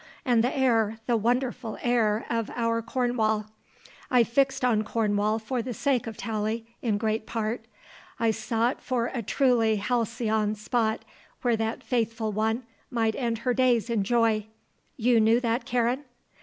And the air, the wonderful air of our Cornwall. I fixed on Cornwall for the sake of Tallie, in great part; I sought for a truly halcyon spot where that faithful one might end her days in joy. You knew that, Karen?"